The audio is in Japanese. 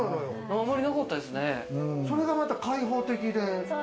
それがまた開放的で。